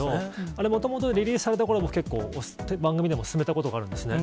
あれ、もともとリリースされたころは、結構番組でも勧めたことあるんですね。